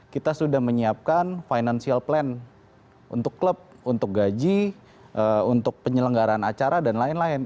kita sudah menyiapkan financial plan untuk klub untuk gaji untuk penyelenggaran acara dan lain lain